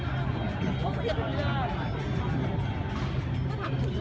แม่กับผู้วิทยาลัย